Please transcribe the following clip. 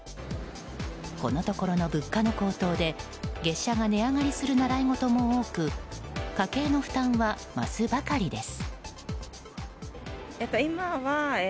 このところの物価の高騰で月謝が値上がりする習い事も多く家計の負担は増すばかりです。